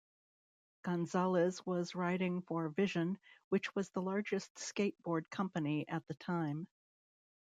Gonzales was riding for Vision which was the largest skateboard company at the time.